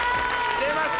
出ました